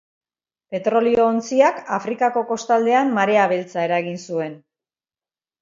Petrolio-ontziak Afrikako kostaldean marea beltza eragin zuen.